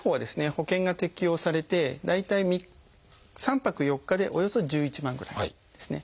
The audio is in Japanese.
保険が適用されて大体３泊４日でおよそ１１万ぐらいですね。